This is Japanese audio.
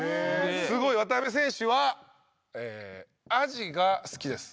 すごい渡邊選手はアジが好きです。